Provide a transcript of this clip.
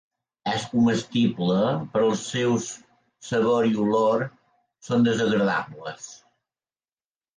És comestible però els seus sabor i olor són desagradables.